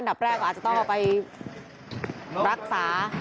ดับแรกก็อาจจะต้องเอาไปรักษา